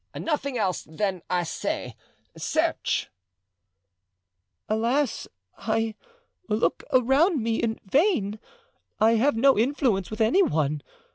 "Nothing else than I say—search." "Alas, I look around me in vain! I have no influence with any one.